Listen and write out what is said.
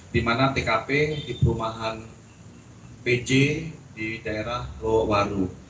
di mana tkp di perumahan pj di daerah loworu